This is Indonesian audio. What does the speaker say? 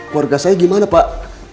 keluarga saya gimana pak